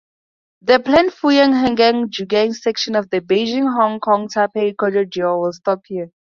The planned Fuyang–Huanggang–Jiujiang section of the Beijing–Hong Kong (Taipei) corridor will stop here.